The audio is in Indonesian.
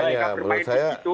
ya menurut saya